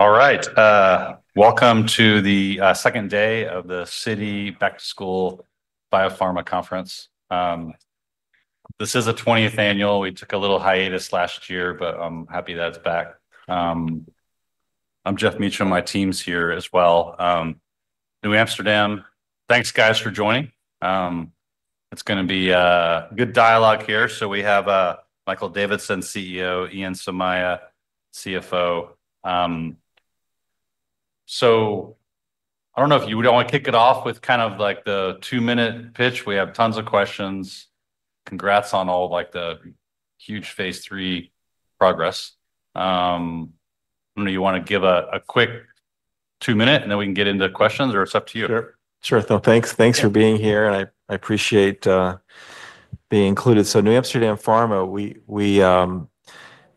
Alright. Welcome to the second day of the Citi Back to School Biopharma Conference. This is the twentieth annual. We took a little hiatus last year, but I'm happy that's back. I'm Jeff Mitchell. My team's here as well. New Amsterdam. Thanks, guys, for joining. It's gonna be a good dialogue here. So we have Michael Davidson, CEO, Ian Samaya, CFO. So I don't know if you would only kick it off with kind of, like, the two minute pitch. We have tons of questions. Congrats on all, like, the huge phase three progress. I don't know. You wanna give a a quick two minute, and then we can get into questions, or it's up to you? Sure. Sure. No. Thanks thanks for being here, and I I appreciate being included. So New Amsterdam Pharma, we we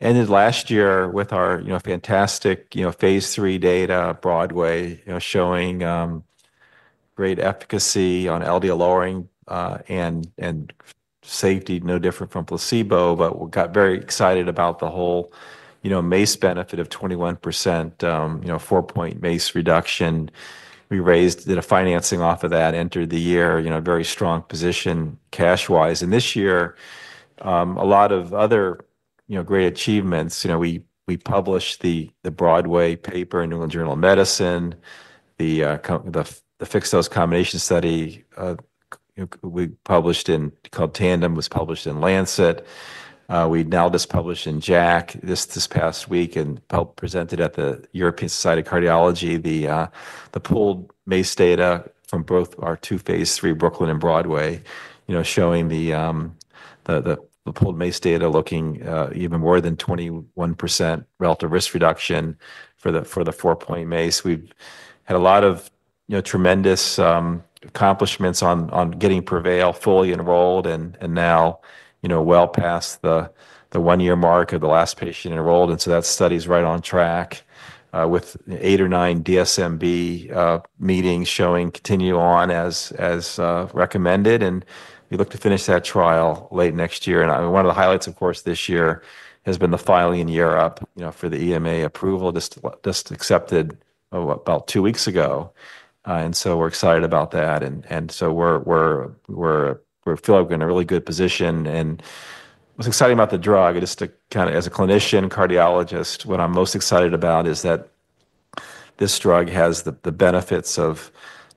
ended last year with our, you know, fantastic, you know, phase three data, you know, showing great efficacy on LDL lowering and and safety no different from placebo, but we got very excited about the whole, you know, MACE benefit of 21%, you know, four point MACE reduction. We raised did a financing off of that, entered the year, you know, very strong position cash wise. And this year, a lot of other great achievements. We published Broadway paper in New England Journal of Medicine. The fixed dose combination study we published in called Tandem was published in Lancet. We now just published in Jack this this past week and help presented at the European Society of Cardiology, the the pulled MACE data from both our two phase three, Brooklyn and Broadway, you know, showing the the pulled MACE data looking even more than twenty one percent relative risk reduction for the four point MACE. We've had a lot of, you know, tremendous accomplishments on getting PREVAIL fully enrolled and now, well past the one year mark of the last patient enrolled. And so that study is right on track with eight or nine DSMB meetings showing continue on as recommended. And we look to finish that trial late next year. And one of the highlights, of course, this year has been the filing in Europe for the EMA approval just accepted about two weeks ago. And so we're excited about that. And so we're feeling we're in a really good position. And what's exciting about the drug is to kind of as a clinician, cardiologist, what I'm most excited about is that this drug has the benefits of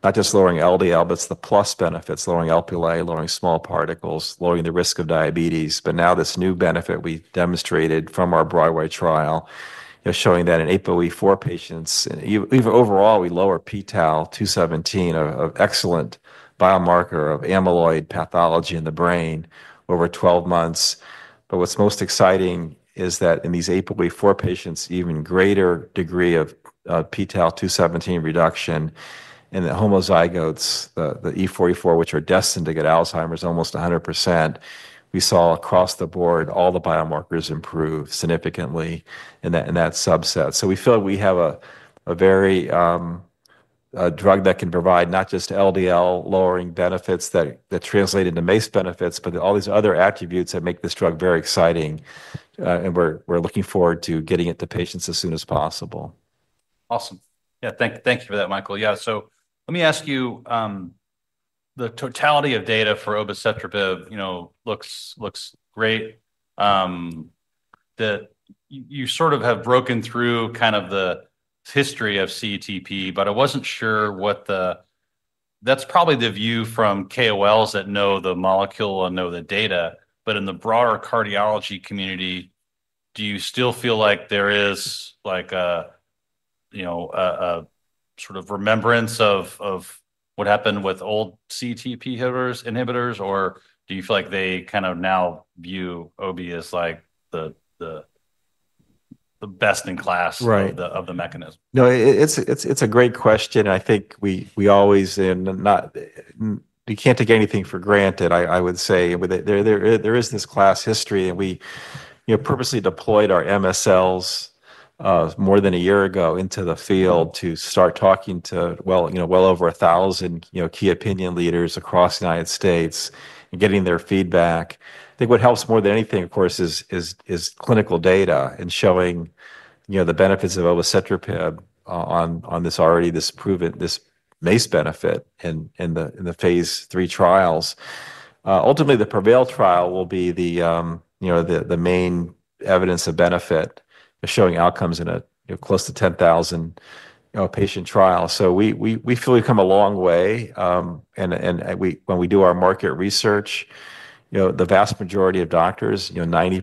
not just lowering LDL, it's the plus benefits, lowering LpLA, lowering small particles, lowering the risk of diabetes. But now this new benefit we demonstrated from our Broadway trial is showing that in APOE4 patients, even overall, we lower pTal217, an excellent biomarker of amyloid pathology in the brain over twelve months. But what's most exciting is that in these eight point four patients, even greater degree of pTal two seventeen reduction. And the homozygotes, e44, which are destined to get Alzheimer's almost one hundred percent, we saw across the board all the biomarkers improve significantly in that subset. So we feel we have a very drug that can provide not just LDL lowering benefits that that translate into MACE benefits, but all these other attributes that make this drug very exciting. And we're we're looking forward to getting it to patients as soon as possible. Awesome. Yeah. Thank thank you for that, Michael. Yeah. So let me ask you. The totality of data for obisetropiv, you know, looks looks great. The you sort of have broken through kind of the history of CTP, but I wasn't sure what the that's probably the view from KOLs that know the molecule and know the data. But in the broader cardiology community, do you still feel like there is, a, you know, a a sort of remembrance of of what happened with old CTP inhibitors, or do you feel like they kind of now view OB as, like, the the the best in class Right. Of the of the mechanism? No. It's it's it's a great question. I think we we always and not we can't take anything for granted, I I would say. But there there there is this class history, and we, you know, purposely deployed our MSLs more than a year ago into the field to start talking to well, you know, well over a thousand, you know, key opinion leaders across The United States and getting their feedback. I think what helps more than anything, of course, is is is clinical data and showing, the benefits of olicitropib this already this proven, this MACE benefit in the Phase III trials. Ultimately, the PREVAIL trial will be the main evidence of benefit showing outcomes in a close to 10,000 patient trials. So we feel we've come a long way. When we do our market research, the vast majority of doctors, 90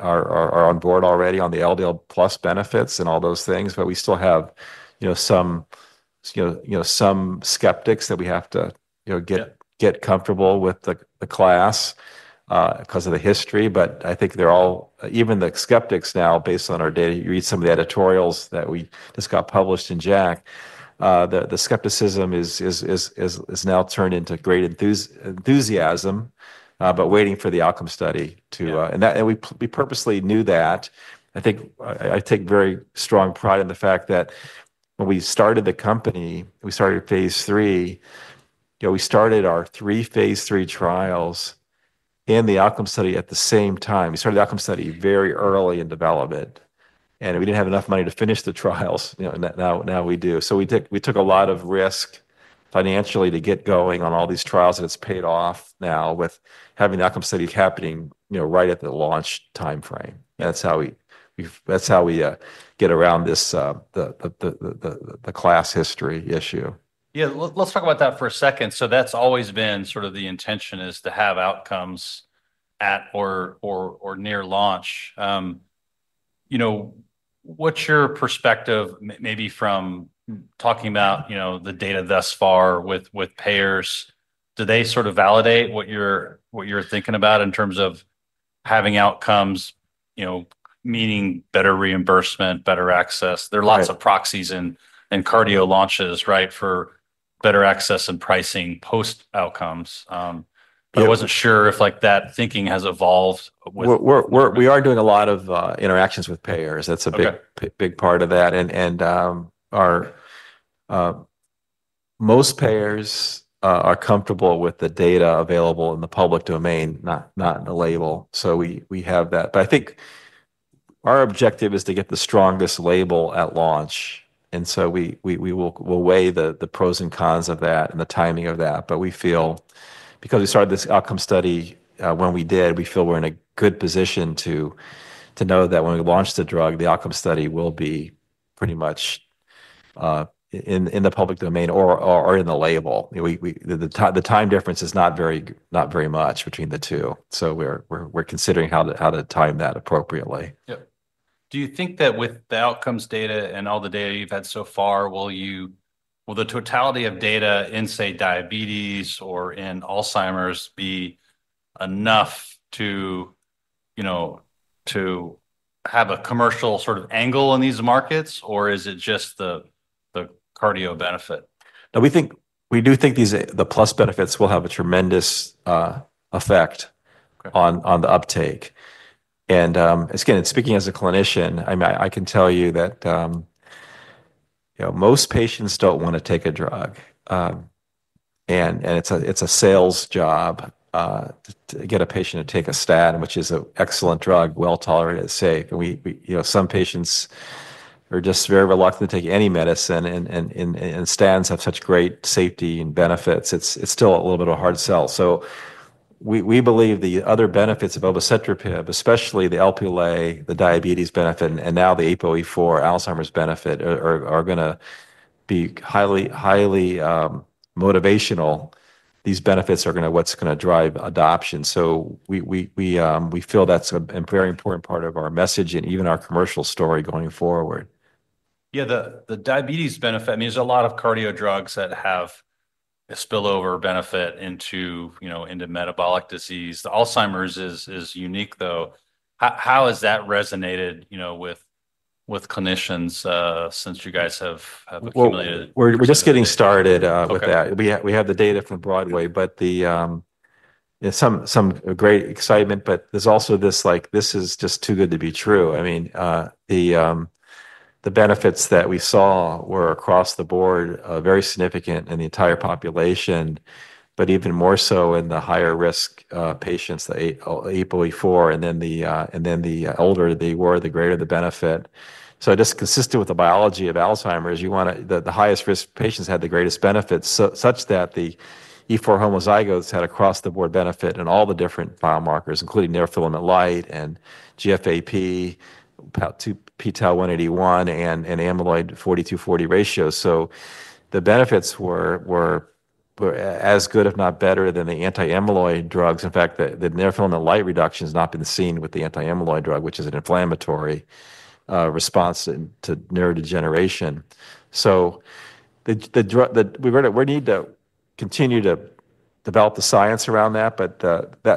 are on board already on the LDL plus benefits and all those things, but we still have, you know, some, you know, you know, some skeptics that we have to, you know, get get comfortable with the the class because of the history. But I think they're all even the skeptics now based on our data. You read some of the editorials that we just got published in Jack. The the skepticism is is is is is now turned into great enthuse enthusiasm, but waiting for the outcome study to and that and we we purposely knew that. I think I take very strong pride in the fact that when we started the company, we started phase three. You know, we started our three phase three trials in the outcome study at the same time. We started the outcome study very early in development, and we didn't have enough money to finish the trials. You know? And now now we do. So we took we took a lot of risk financially to get going on all these trials, and it's paid off now with having the outcome studies happening, you know, right at the launch time frame. That's how we that's how we get around this the the the the the the class history issue. Yeah. Let let's talk about that for a second. So that's always been sort of the intention is to have outcomes at or or or near launch. You know, what's your perspective maybe from talking about, you know, the data thus far with with payers? Do they sort of validate what you're what you're thinking about in terms of having outcomes, you know, meaning better reimbursement, better access? There are lots of proxies in in cardio launches, right, for better access and pricing post outcomes. But I wasn't sure if, like, that thinking has evolved with We're we're we're we are doing a lot of interactions with payers. That's a big big part of that. And and our most payers are comfortable with the data available in the public domain, not not in the label. So we we have that. But I think our objective is to get the strongest label at launch. And so we we we will weigh the the pros and cons of that and the timing of that. But we feel because we started this outcome study when we did, we feel we're in a good position to to know that when we launch the drug, the outcome study will be pretty much in in the public domain or or or in the label. We we the the time difference is not very not very much between the two. So we're we're we're considering how to how to time that appropriately. Yep. Do you think that with the outcomes data and all the data you've had so far, will you will the totality of data in, say, diabetes or in Alzheimer's be enough to, you know, to have a commercial sort of angle on these markets, or is it just the the cardio benefit? No. We think we do think these the plus benefits will have a tremendous effect on on the uptake. And it's gonna speaking as a clinician, I mean, I I can tell you that, you know, most patients don't wanna take a drug. And and it's a it's a sales job to get a patient to take a statin, is an excellent drug, well tolerated, safe. And we we you know, some patients are just very reluctant to take any medicine, and and and and and statins have such great safety and benefits. It's it's still a little bit of a hard sell. So we we believe the other benefits of elbocetropib, especially the LpLA, the diabetes benefit, and now the APOE four Alzheimer's benefit are are are gonna be highly highly motivational. These benefits are gonna what's gonna drive adoption. So we we we we feel that's a very important part of our message and even our commercial story going forward. Yeah. The the diabetes benefit I mean, there's a lot of cardio drugs that have a spillover benefit into, you know, into metabolic disease. The Alzheimer's is is unique, though. How how has that resonated, you know, with with clinicians, since you guys have have accumulated? We're we're just getting started with that. We we have the data from Broadway, but the some some great excitement, but there's also this, like, this is just too good to be true. I mean, the the benefits that we saw were across the board very significant in the entire population, but even more so in the higher risk patients, the eight 8.4, and then the and then the older they were, the greater the benefit. Just consistent with the biology of Alzheimer's, you want to the highest risk patients had the greatest benefits such that the E4 homozygotes had across the board benefit in all the different biomarkers, including neurofilament light and GFAP, pTau-one 181 and amyloid fortytwo 40 ratio. So the benefits were as good, if not better, than the anti amyloid drugs. In fact, the neurofilament light reduction has not been seen with the anti amyloid drug, which is an inflammatory response to neurodegeneration. So the the drug the we're gonna we need to continue to develop the science around that, but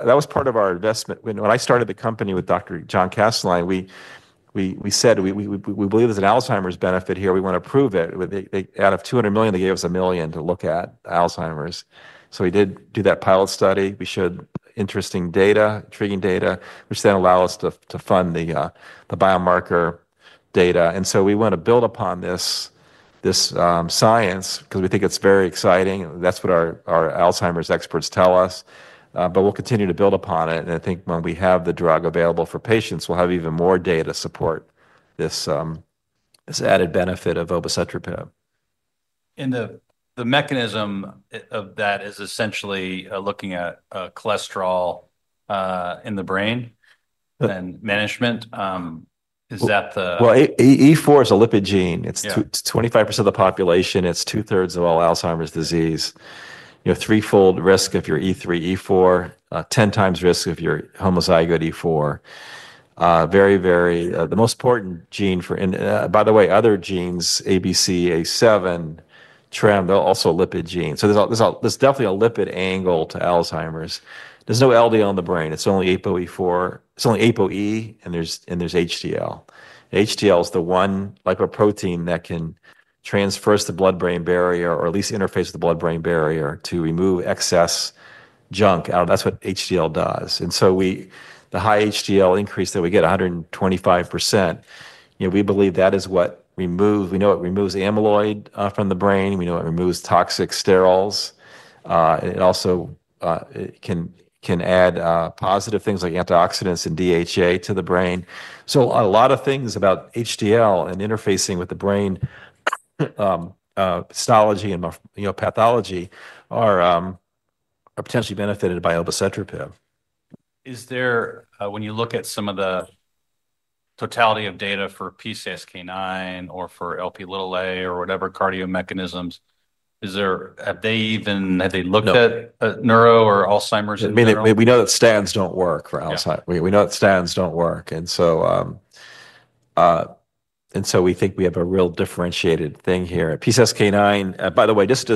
was part of our investment. When I started the company with Doctor. John Castelline, we said we believe there's an Alzheimer's benefit here. We want to prove it. Out of $200,000,000 they gave us $1,000,000 to look at Alzheimer's. We think it's very exciting. That's what our Alzheimer's experts tell us. But we'll continue to build upon it. And I think when we have the drug available for patients, we'll have even more data to support this added benefit of obicitropib. And the the mechanism of that is essentially looking at cholesterol in the brain and management. Is that the Well, e e four is a lipid gene. It's twenty five percent of the population. It's two thirds of all Alzheimer's disease. You know, threefold risk if you're e three, e four, ten times risk if you're homozygote e four. Very, very the most important gene for by the way, other genes, a b c a seven, TREM, they're also lipid genes. So there's a there's a there's definitely a lipid angle to Alzheimer's. There's no LDL in the brain. It's only apo e four. It's only apo e, and there's and there's HTL. HDL is the one lipoprotein that can transfer us to blood brain barrier or at least interface the blood brain barrier to remove excess junk out of that's what HDL does. And so we the high HDL increase that we get a 125%, you know, we believe that is what we move. We know it removes the amyloid from the brain. We know it removes toxic sterols. It also can can add positive things like antioxidants and DHA to the brain. So a lot of things about HDL and interfacing with the brain histology and, you know, pathology are are potentially benefited by elbocetropiv. Is there when you look at some of the totality of data for PCSK9 or for LP or whatever cardio mechanisms, is there have they even have they looked at neuro or Alzheimer's? We know that stands don't work for outside. We we know that stands don't work. And so so we think we have a real differentiated thing here. PCSK9, by the way, just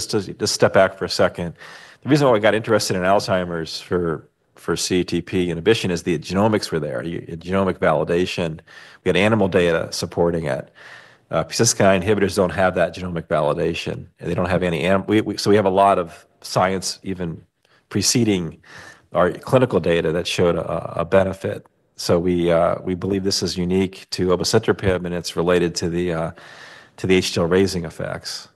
step back for a second, the reason why we got interested in Alzheimer's for CTP inhibition is the genomics were there, genomic validation. We had animal data supporting it. Persist kind inhibitors don't have that genomic validation. They don't have any so we have a lot of science even preceding our clinical data that showed a benefit. So we believe this is unique to opacetropin and it's related to the HTL raising effects.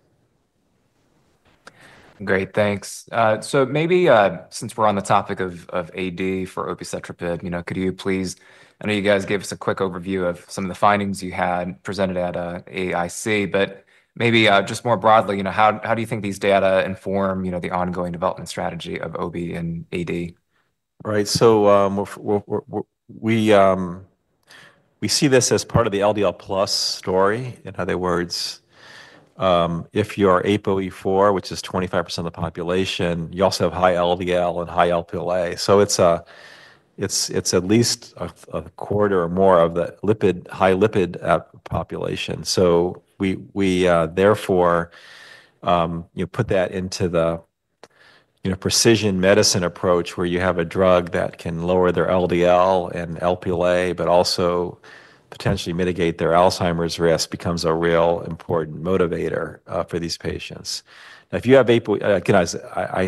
Great. Thanks. So maybe since we're on the topic of AD for opacetropin, could you please I know you guys gave us a quick overview of some of the findings you had presented at AIC. But maybe just more broadly, how do you think these data inform the ongoing development strategy of OB and AD? Right. So we see this as part of the LDL plus story, in other words. If you're ApoE4, which is 25 of the population, you also have high LDL and high LpLA. So it's at least a quarter or more of the lipid high lipid population. So we therefore, you put that into the precision medicine approach where you have a drug that can lower their LDL and LPLA, but also potentially mitigate their Alzheimer's risk becomes a real important motivator for these patients. If you have I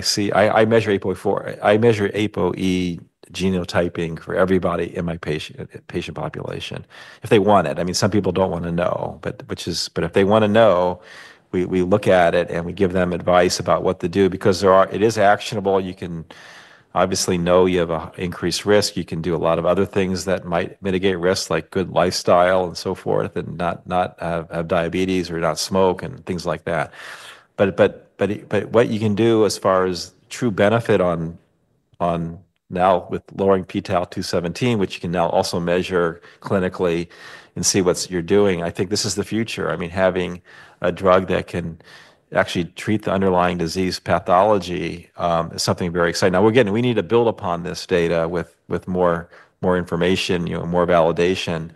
see I measure APOE genotyping for everybody in my patient population, if they want it. I mean, some people don't want to know, but if they want to know, we look at it and we give them advice about what to do because it is actionable. You can obviously know you have increased risk. You can do a lot of other things that might mitigate risk like good lifestyle and so forth and not not have diabetes or not smoke and things like that. But but but but what you can do as far as true benefit on on now with lowering pTal217, which you can now also measure clinically and see what you're doing, I think this is the future. I mean, having a drug that can actually treat the underlying disease pathology is something very exciting. Now we're getting we need to build upon this data with more more information, you know, more validation.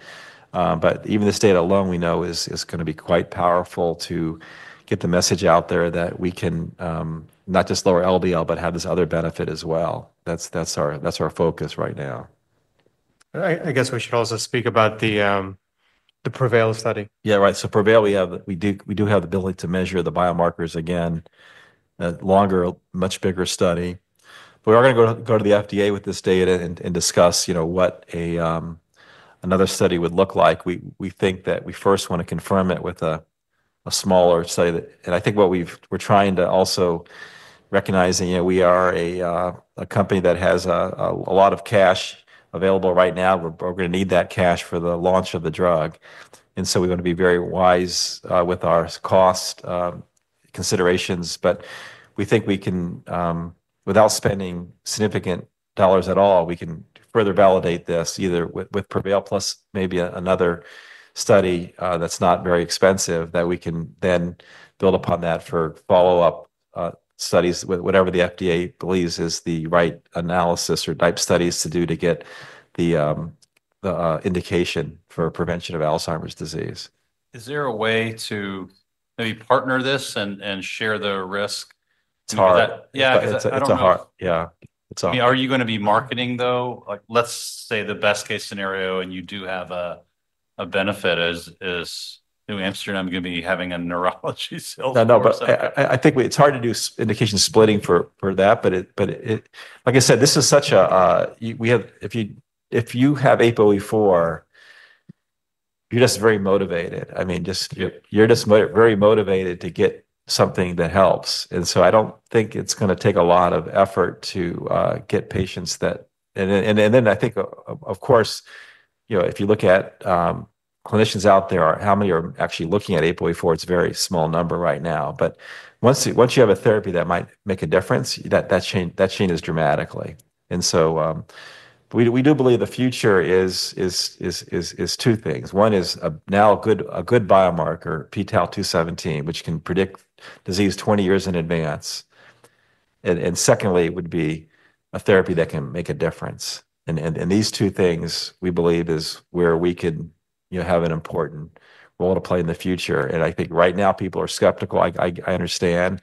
But even this data alone, we know, is is gonna be quite powerful to get the message out there that we can, not just lower LDL, but have this other benefit as well. That's that's our that's our focus right now. I guess we should also speak about the PREVAIL study. Yeah. Right. So PREVAIL, we have we do we do have the ability to measure the biomarkers again, longer, much bigger study. We are going go to the FDA with this data and discuss, you know, what another study would look like. We think that we first want to confirm it with a smaller study. And I think what we've we're trying to also recognize that we are a company that has a lot of cash available right now. We're going to need that cash for the launch of the drug. And so we're to be very wise with our cost considerations. But we think we can without spending significant dollars at all, we can further validate this either with with Prevail plus maybe another study that's not very expensive that we can then build upon that for follow-up studies with whatever the FDA believes is the right analysis or type studies to do to get the the indication for prevention of Alzheimer's disease. Is there a way to maybe partner this and and share the risk do that? Yeah. Because it's it's a hard yeah. It's a Are you gonna be marketing, though? Like, let's say the best case scenario and you do have a a benefit is is New Amsterdam gonna be having a neurology sales No. No. But I I think we it's hard to do indication splitting for for that, but it but it like I said, this is such a we have if you if you have eight o e four, you're just very motivated. I mean, just you're you're just very motivated to get something that helps. And so I don't think it's gonna take a lot of effort to get patients that and then and then I think, course, you know, if you look at clinicians out there, how many are actually looking at 8.4? It's a very small number right now. But once once you have a therapy that might make a difference, that that chain that chain is dramatically. And so we we do believe the future is is is is is two things. One is now a good a good biomarker, p tau two seventeen, which can predict disease twenty years in advance. And and secondly, it would be a therapy that can make a difference. And and and these two things, we believe, is where we could, you know, have an important role to play in the future. And I think right now, people are skeptical. I I I understand.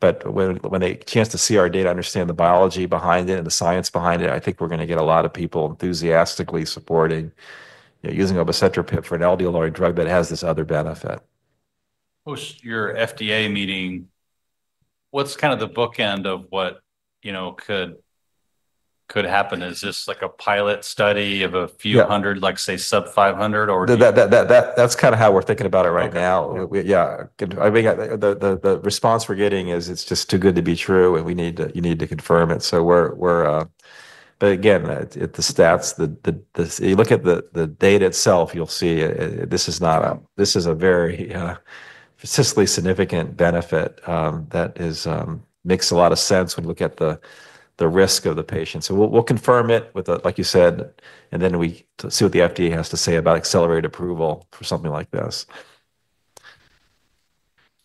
But when when they chance to see our data, understand the biology behind it and the science behind it, I think we're gonna get a lot of people enthusiastically supporting using obocetropin for an LDL or a drug that has this other benefit. Post your FDA meeting, what's kind of the bookend of what, you know, could could happen? Is this, a pilot study of a few 100, like, say, sub 500 or That that that that that's kinda how we're thinking about it right now. We yeah. Could I mean, the the the response we're getting is it's just too good to be true, and we need to you need to confirm it. So we're we're but, again, at at the stats, the the this you look at the the data itself, you'll see this is not a this is a very statistically significant benefit that is makes a lot of sense when we look at the the risk of the patient. So we'll we'll confirm it with the like you said, and then we let's see what the FDA has to say about accelerated approval for something like this.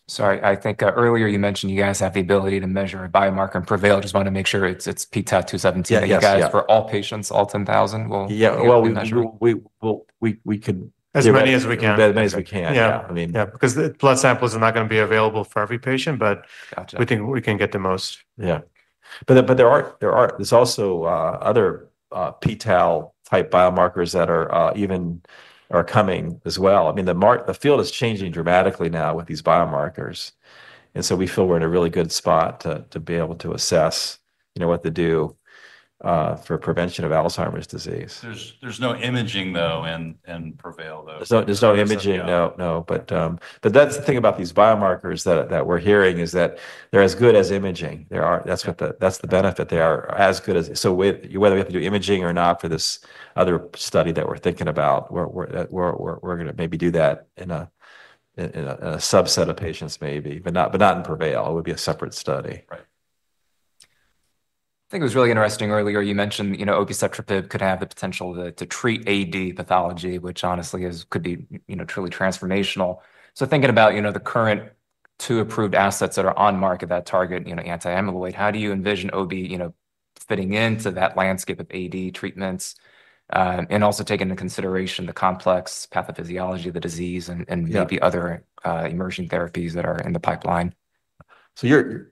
Sorry. I think earlier you mentioned you guys have the ability to measure a biomarker and prevail. Just wanna make sure it's it's p two seventeen. Yeah. Yes. Yeah. For all patients, all 10,000. Well Yeah. Well, we we we can As many as we can. As many as we can. Yeah. I mean Yeah. Because the blood samples are not gonna be available for every patient, but Gotcha. We think we can get the most. Yeah. But but there are there are there's also other p tau type biomarkers that are even are coming as well. I mean, the mark the field is changing dramatically now with these biomarkers. And so we feel we're in a really good spot to to be able to assess, you know, what to do for prevention of Alzheimer's disease. There's there's no imaging, though, in in though. There's no there's no imaging. No. No. But but that's the thing about these biomarkers that that we're hearing is that they're as good as imaging. They are that's what the that's the benefit they are as good as so with whether we have to do imaging or not for this other study that we're thinking about, we're we're we're we're we're gonna maybe do that in a in a a of patients maybe, but not but not in PREVAIL. It would be a separate study. Right. I think it was really interesting earlier you mentioned, you know, opisotropin could have the potential to to treat AD pathology, which honestly is could be, you know, truly transformational. So thinking about, you know, the current two approved assets that are on market that target, you know, anti amyloid, how do you envision OB, you know, fitting into that landscape of AD treatments and also take into consideration the complex pathophysiology of the disease and and maybe other emerging therapies that are in the pipeline? So you're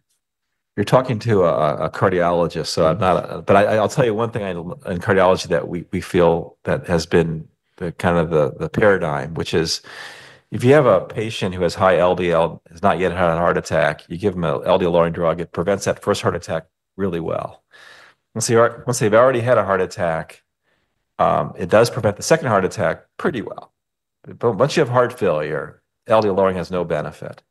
you're talking to a cardiologist, so I'm not but I I'll tell you one thing I in cardiology that we we feel that has been the kind of the the paradigm, which is if you have a patient who has high LDL, has not yet had a heart attack, you give them a LDL lowering drug. It prevents that first heart attack really well. Once they are once they've already had a heart attack, it does prevent the second heart attack pretty well. But once you have heart failure, LDL lowering has no benefit.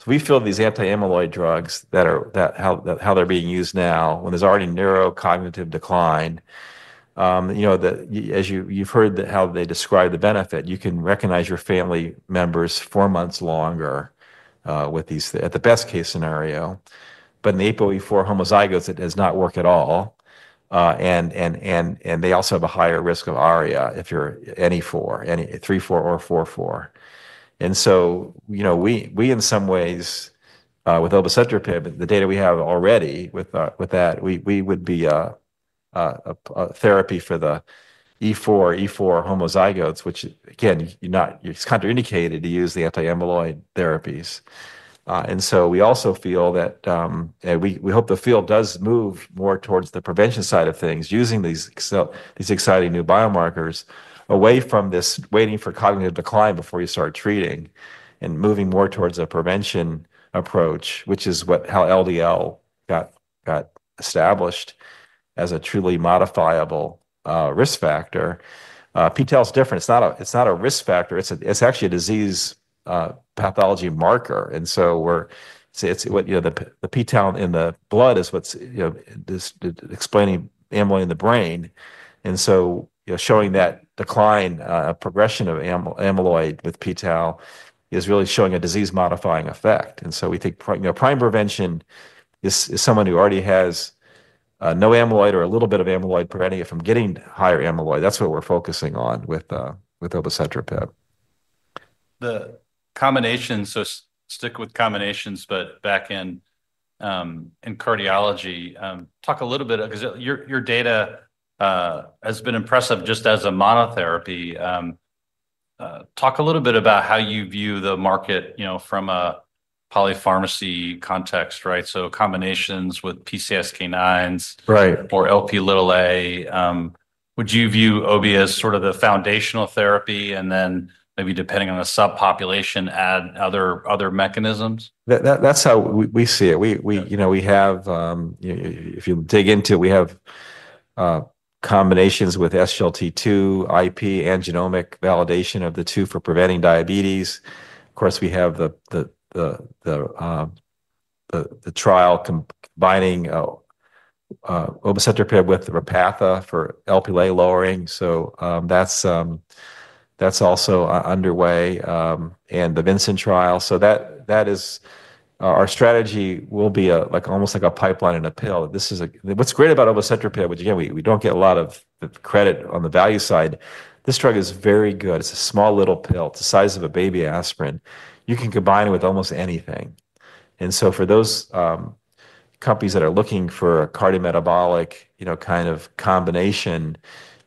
So we feel these anti amyloid drugs that are that how that how they're being used now when there's already neurocognitive decline. You know, the as you you've heard that how they describe the benefit, you can recognize your family members four months longer with these at the best case scenario. But in the APOE four homozygous, it does not work at all. And and and and they also have a higher risk of ARIA if you're any four, any three four or four four. And so, you know, we we, in some ways, with elbocetropib, the data we have already with with that, we we would be a a therapy for the e four e four homozygotes, which, again, you're not it's contraindicated to use the anti amyloid therapies. And so we also feel that and we we hope the field does move more towards the prevention side of things using these these exciting new biomarkers away from this waiting for cognitive decline before you start treating and moving more towards a prevention approach, which is what how LDL got got established as a truly modifiable risk factor. PTel is different. It's not a it's not a risk factor. It's a it's actually a disease pathology marker. And so we're see, it's what you know, the the pTel in the blood is what's, you know, this explaining amyloid in the brain. And so, you know, showing that decline progression of amyloid with p tau is really showing a disease modifying effect. And so we think, you know, prime prevention is is someone who already has no amyloid or a little bit of amyloid preventing it from getting higher amyloid. That's what we're focusing on with with obicentropib. The combinations so stick with combinations, but back in in cardiology, talk a little bit because your your data has been impressive just as a monotherapy. Talk a little bit about how you view the market, you know, from a polypharmacy context, So combinations with PCSK9s or LP. Would you view OBI as sort of the foundational therapy and then maybe depending on the subpopulation add other mechanisms? That that that's how we we see it. We we, you know, we have if you dig into, we have combinations with SGLT two IP and genomic validation of the two for preventing diabetes. Of course, we have the the the the trial combining obacetropir with Repatha for LPA lowering. So that's that's also underway. And the Vinson trial. So that that is our strategy will be, like, almost like a pipeline and a pill. This is a what's great about elocentropin, which, again, we we don't get a lot of credit on the value side. This drug is very good. It's a small little pill. It's the size of a baby aspirin. You can combine it with almost anything. And so for those companies that are looking for a cardiometabolic, you know, kind of combination,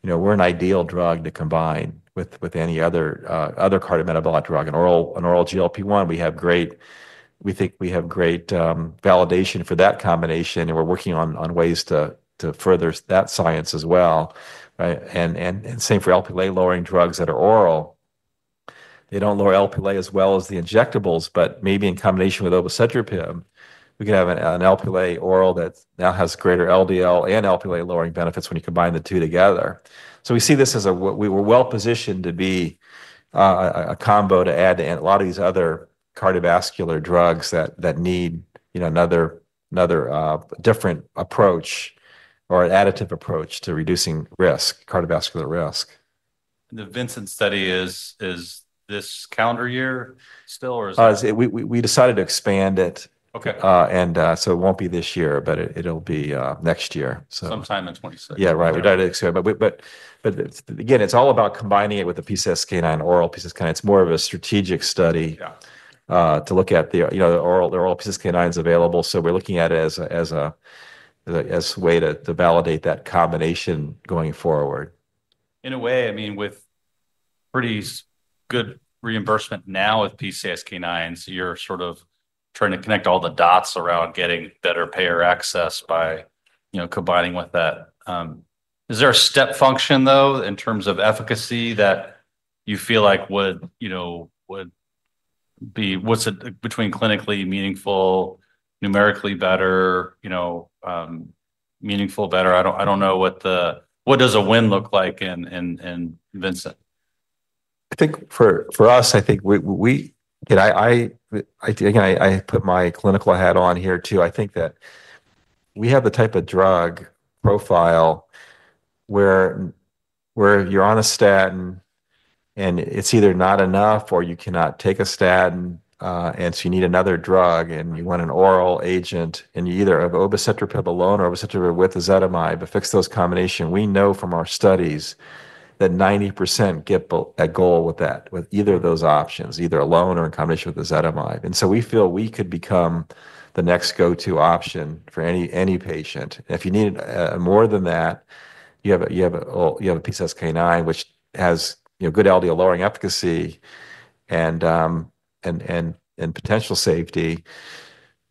you know, we're an ideal drug to combine with with any other other cardiometabolic drug. An oral an oral GLP one, we have great we think we have great validation for that combination, and we're working on ways to further that science as well. And same for LPA lowering drugs that are oral. Don't lower LPA as well as the injectables, but maybe in combination with obicitropin, we can have an LPA oral that now has greater LDL and LPA lowering benefits when you combine the two together. So we see this as a we were well positioned to be a combo to add to a lot of these other cardiovascular drugs that that need, you know, another another different approach or additive approach to reducing risk cardiovascular risk. The Vincent study is is this calendar year still? Or is We we we decided to expand it. Okay. And so it won't be this year, but it it'll be next year. So Sometime in '26. Yeah. Right. We got it. So but we but it's again, it's all about combining it with the PCSK9, oral PCSK9. It's more of a strategic study Yeah. To look at the, you know, the oral the oral PCSK9 is available. So we're looking at it as a as a as a way to to validate that combination going forward. In a way, I mean, with pretty good reimbursement now with PCSK9s, you're sort of trying to connect all the dots around getting better payer access by, you know, combining with that. Is there a step function, though, in terms of efficacy that you feel like would, you know, would be what's it between clinically meaningful, numerically better, you know, meaningful better. I don't I don't know what the what does a win look like in in in Vincent? I think for for us, I think we we you know, I I I think I I put my clinical head on here too. I think that we have the type of drug profile where where you're on a statin, and it's either not enough or you cannot take a statin, and so you need another drug. And you want an oral agent and either have obicitripip alone or obicitripip with ezetimibe to fix those combination. We know from our studies that ninety percent get a goal with that, with either of those options, either alone or in combination with ezetimibe. And so we feel we could become the next go to option for any any patient. If you need more than that, you have a you have a you have a PCSK9, which has, you know, good LDL lowering efficacy and and and and potential safety.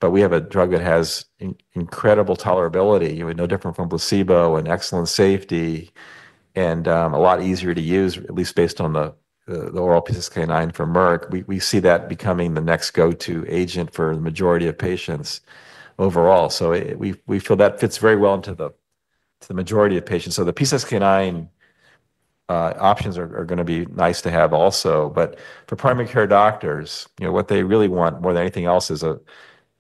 But we have a drug that has incredible tolerability. You know, no different from placebo and excellent safety and a lot easier to use, at least based on the oral PCSK9 for Merck. We we see that becoming the next go to agent for the majority of patients overall. So we we feel that fits very well into the to the majority of patients. So the p s k nine options are are gonna be nice to have also. But for primary care doctors, you know, what they really want more than anything else is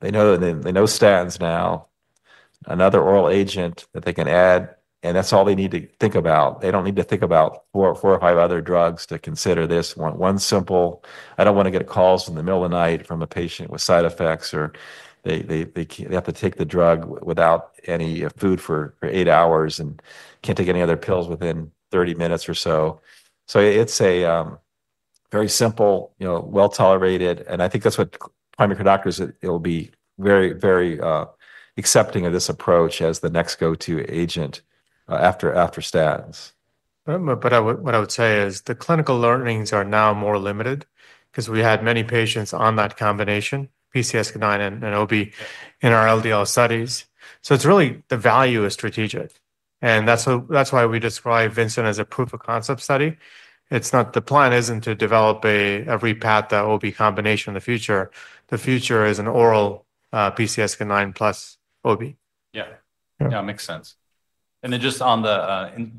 they know that they they know statins now, another oral agent that they can add, and that's all they need to think about. They don't need to think about four four or five other drugs to consider this. One one simple I don't wanna get calls in the middle of night from a patient with side effects or they they they can't they have to take the drug without any food for for eight hours and can't take any other pills within thirty minutes or so. So it's a very simple, you know, well tolerated, and I think that's what primary doctors said it'll be very, very accepting of this approach as the next go to agent after after statins. But I would what I would say is the clinical learnings are now more limited because we had many patients on that combination, PCSK9 and and OB in our LDL studies. So it's really the value is strategic. And that's so that's why we describe Vincent as a proof of concept study. It's not the plan isn't to develop a a repath that will be combination in the future. The future is an oral PCSK9 plus OB. Yeah. Yeah. It makes sense. And then just on the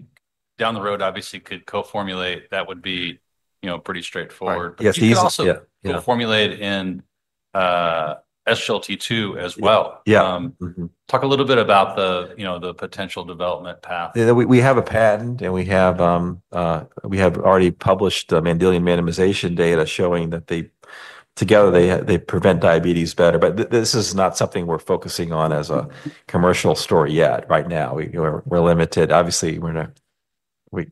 down the road, obviously, could coformulate. That would be, you know, pretty straightforward. But you can also Yeah. Yeah. Coformulate in SGLT two as well. Yeah. Mhmm. Talk a little bit about the, you know, the potential development path. Yeah. We we have a patent, and we have we have already published Mandylion randomization data showing that they together, they they prevent diabetes better. But this is not something we're focusing on as a commercial story yet right now. We we're we're limited. Obviously, we're not we we don't we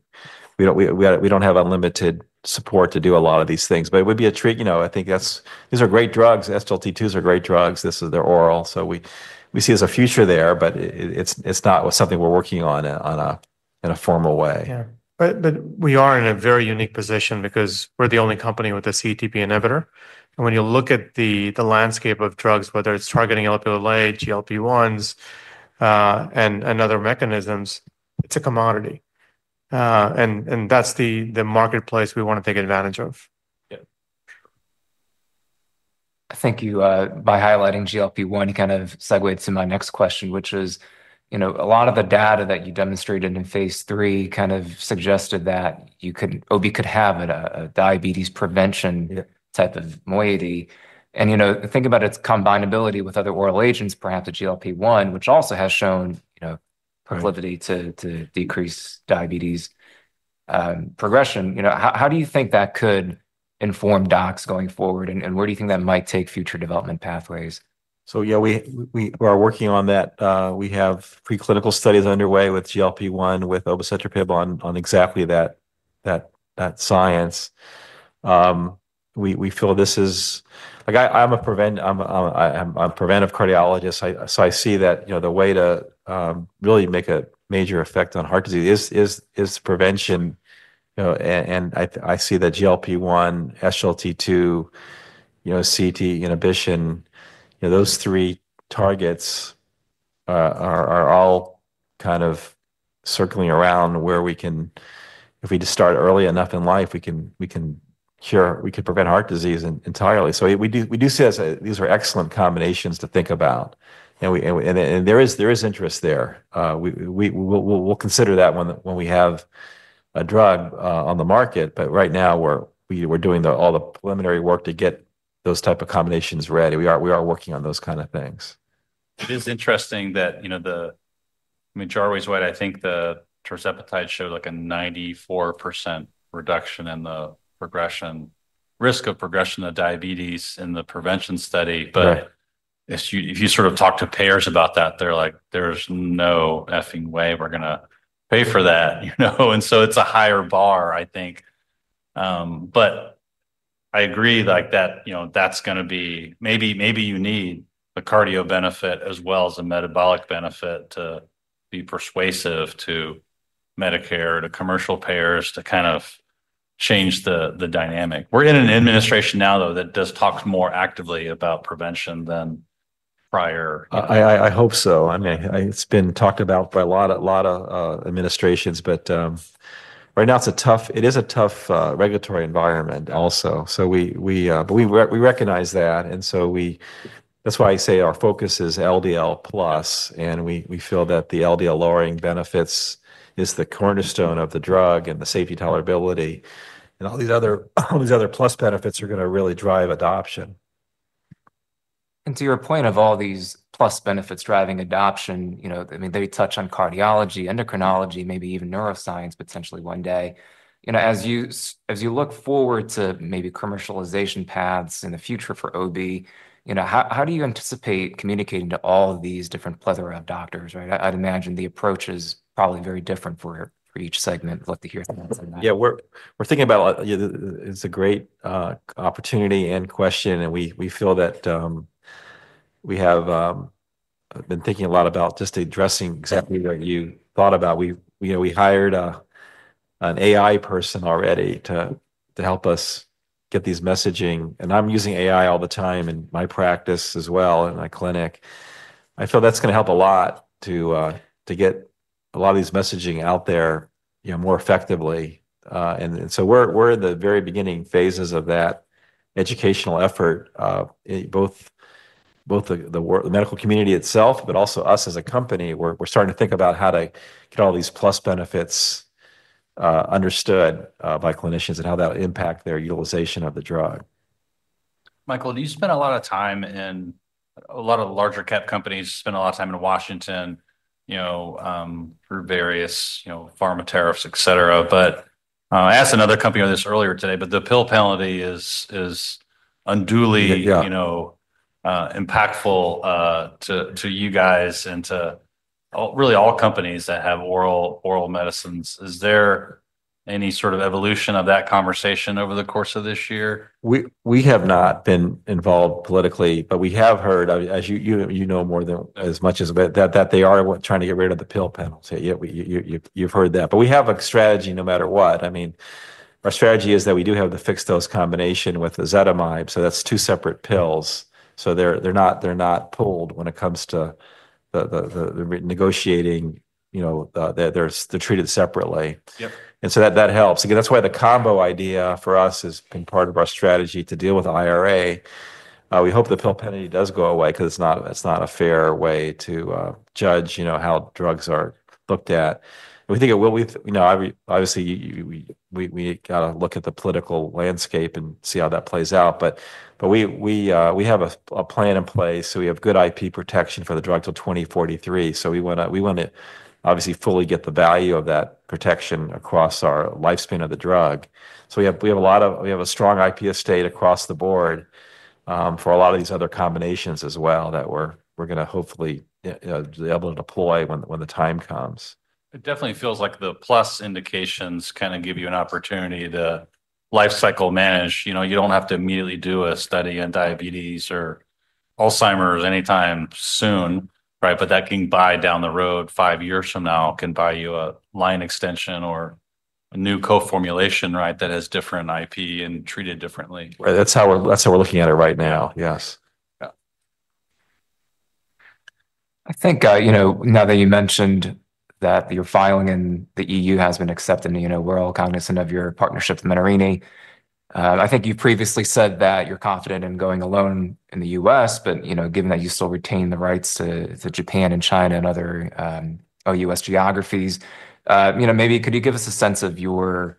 we don't have unlimited support to do a lot of these things. But it would be a trick you know, I think that's these are great drugs. S t l t twos are great drugs. This is their oral. So we we see as a future there, but it's it's not something we're working on on a in a formal way. Yeah. But but we are in a very unique position because we're the only company with a CTP inhibitor. And when you look at the the landscape of drugs, whether it's targeting l p o l a, GLP ones, and and other mechanisms, it's a commodity. And and that's the the marketplace we wanna take advantage of. Yep. Thank you. By highlighting GLP one, you kind of segue to my next question, which is, you you know, a lot of the data that you demonstrated in phase three kind of suggested that you could OB could have a diabetes prevention type of moiety. And, you know, think about its combinability with other oral agents, perhaps the GLP one, which also has shown, you know, proclivity to to decrease diabetes progression. You know, how how do you think that could inform docs going forward, and and where do you think that might take future development pathways? So, yeah, we we are working on that. We have preclinical studies underway with GLP one with obacetropib on on exactly that that that science. We we feel this is like, I I'm a prevent I'm a I'm a I'm a preventive cardiologist. I so I see that, you know, the way to really make a major effect on heart disease is is prevention. You know? And I I see that GLP one, SGLT two, you know, CT inhibition, you know, those three targets are are all kind of circling around where we can if we just start early enough in life, we can we can cure we could prevent heart disease entirely. So we do we do see as these are excellent combinations to think about. And we and and and there is there is interest there. We we we'll we'll we'll consider that when when we have a drug on the market. But right now, we're we we're doing the all the preliminary work to get those type of combinations ready. We are we are working on those kind of things. It is interesting that, you know, the I mean, Jarvis White, I think the tirzepatide showed, like, a ninety four percent reduction in the progression risk of progression of diabetes in the prevention study. But if you if you sort of talk to payers about that, they're like, there's no effing way we're gonna pay for that. You know? And so it's a higher bar, I think. But I agree, like, that, you know, that's gonna be maybe maybe you need a cardio benefit as well as a metabolic benefit to be persuasive to Medicare, to commercial payers to kind of change the the dynamic. We're in an administration now, though, that does talk more actively about prevention than prior I I I hope so. I mean, it's been talked about by a lot a lot of administrations. But right now, it's a tough it is a tough regulatory environment also. So we we we recognize that. And so we that's why I say our focus is LDL plus, and we we feel that the LDL lowering benefits is the cornerstone of the drug and the safety tolerability. And all these other all these other plus benefits are gonna really drive adoption. And to your point of all these plus benefits driving adoption, you know, I mean, they touch on cardiology, endocrinology, maybe even neuroscience potentially one day. You know, as you as you look forward to maybe commercialization paths in the future for OB, you know, how how do you anticipate communicating to all of these different plethora of doctors? Right? I I'd imagine the approach is probably very different for for each segment. Love to hear from that. We're we're thinking about a lot you know, it's a great opportunity and question, and we we feel that we have been thinking a lot about just addressing exactly what you thought about. We we we hired an AI person already to to help us get these messaging, and I'm using AI all the time in my practice as well in my clinic. I feel that's gonna help a lot to to get a lot of these messaging out there, you know, more effectively. And and so we're we're at the very beginning phases of that educational effort. Both both the the work the medical community itself, but also us as a company, we're we're starting to think about how to get all these plus benefits understood by clinicians and how that impact their utilization of the drug. Michael, do you spend a lot of time in a lot of larger cap companies spend a lot of time in Washington, you know, for various, you know, pharma tariffs, etcetera. But I asked another company on this earlier today, but the pill penalty is is unduly, you know, impactful to to you guys and to really all companies that have oral oral medicines. Is there any sort of evolution of that conversation over the course of this year? We we have not been involved politically, but we have heard, I mean, as you you know more than as much as a bit that that they are trying to get rid of the pill panel. So, yeah, we you you you've you've heard that. But we have a strategy no matter what. I mean, our strategy is that we do have the fixed dose combination with ezetimibe. So that's two separate pills. So they're they're not they're not pulled when it comes to the the the the renegotiating, you know, the there's the treated separately. Yep. And so that that helps. Again, that's why the combo idea for us has been part of our strategy to deal with IRA. We hope the pill penalty does go away because it's not it's not a fair way to judge, you know, how drugs are looked at. We think it will be you know, I you you we we we gotta look at the political landscape and see how that plays out. But but we we we have a a plan in place. So we have good IP protection for the drug till 2043. So we wanna we wanna obviously fully get the value of that protection across our lifespan of the drug. So we have we have a lot of we have a strong IP estate across the board for a lot of these other combinations as well that we're we're gonna hopefully you know, be able to deploy when when the time comes. It definitely feels like the plus indications kinda give you an opportunity to life cycle manage. You know, you don't have to immediately do a study in diabetes or Alzheimer's anytime soon. Right? But that can buy down the road five years from now, can buy you a line extension or a new co formulation, right, that has different IP and treated differently. Right. That's how we're that's how we're looking at it right now. Yes. Yeah. I think, you know, now that you mentioned that you're filing in the EU has been accepted, you know, we're all cognizant of your partnership with Menarini. I think you've previously said that you're confident in going alone in The US, but, you know, given that you still retain the rights to Japan and China and other OUS geographies, you know, maybe could you give us a sense of your,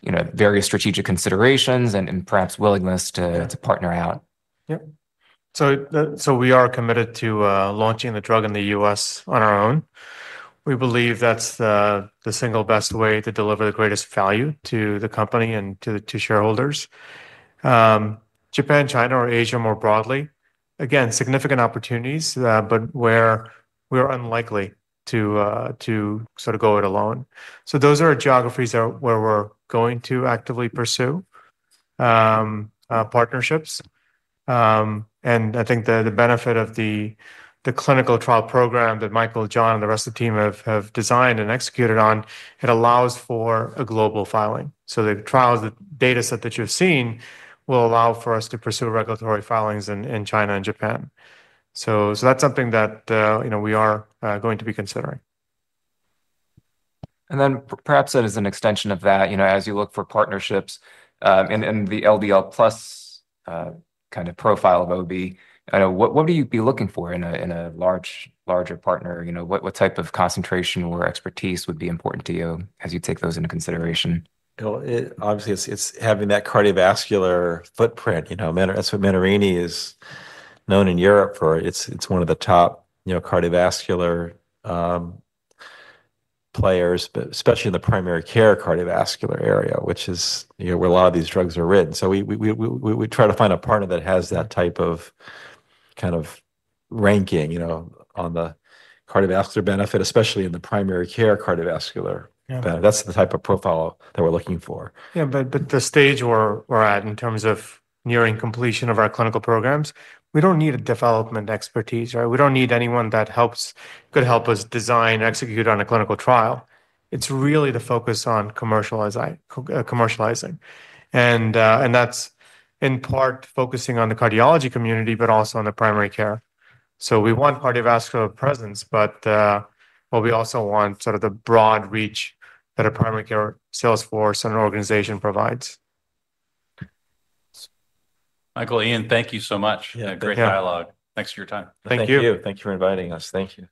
you know, various strategic considerations and and perhaps willingness to to partner out? Yep. So the so we are committed to launching the drug in The US on our own. We believe that's the the single best way to deliver the greatest value to the company and to to shareholders. Japan, China, or Asia more broadly, again, significant opportunities, but where we are unlikely to to sort of go it alone. So those are geographies that where we're going to actively pursue partnerships. And I think the the benefit of the the clinical trial program that Michael, John, and the rest of the team have have designed and executed on, it allows for a global filing. So the trials dataset that you've seen will allow for us to pursue regulatory filings in in China and Japan. So so that's something that, you know, we are going to be considering. And then perhaps that is an extension of that, you know, as you look for partnerships and and the LDL plus kind of profile of OB, what what do you be looking for in a in a large larger partner? You know, what what type of concentration or expertise would be important to you as you take those into consideration? You know, obviously, it's it's having that cardiovascular footprint. You know? Menarini is known in Europe for it's it's one of the top, you know, cardiovascular players, but especially in the primary care cardiovascular area, which is, you know, where a lot of these drugs are written. So we we we we we try to find a partner that has that type of kind of ranking, you know, on the cardiovascular benefit, especially in the primary care cardiovascular. Yeah. That's the type of profile that we're looking for. Yeah. But but the stage we're we're at in terms of nearing completion of our clinical programs, we don't need a development expertise. Right? We don't need anyone that helps could help us design, execute on a clinical trial. It's really the focus on commercializing commercializing. And and that's in part focusing on the cardiology community, but also on the primary care. So we want cardiovascular presence, but but we also want sort of the broad reach that a primary care Salesforce and organization provides. Michael, Ian, thank you so much. Yeah. Great dialogue. Thanks for your time. Thank you. Thanks for inviting us. Thank you.